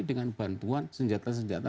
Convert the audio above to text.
dengan bantuan senjata senjata